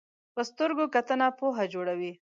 په سترګو کتنه پوهه جوړوي